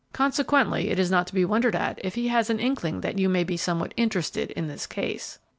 Consequently, it is not to be wondered at if he has an inkling that you may be somewhat interested in this case."